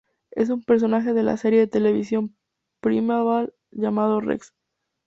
Es un personaje de la serie de televisión Primeval, llamado Rex.